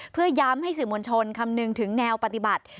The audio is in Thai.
เพื่อย้ำให้สื่อมวลชนคำนึงถึงแนวปฏิบัติ